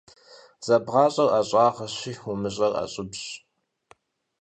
ЗэбгъащӀэр ӀэщӀагъэщи, умыщӀэр ӀэщӀыбщ.